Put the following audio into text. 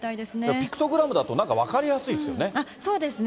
ピクトグラムだと、なんかわかりやすいですよね。